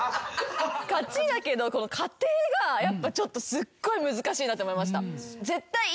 勝ちだけど過程がやっぱすっごい難しいなと思いました。